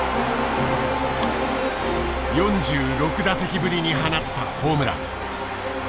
４６打席ぶりに放ったホームラン。